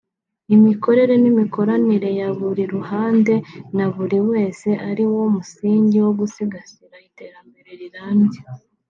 imikorere n’imikoranire ya buri ruhande na buri wese ari wo musingi wo gusigasira iterambere rirambye